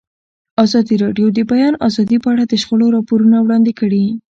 ازادي راډیو د د بیان آزادي په اړه د شخړو راپورونه وړاندې کړي.